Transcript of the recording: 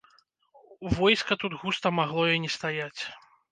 Войска тут густа магло і не стаяць.